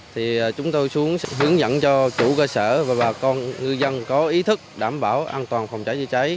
thì chúng tôi xuống hướng dẫn cho chủ cơ sở và bà con ngư dân có ý thức đảm bảo an toàn phòng cháy chữa cháy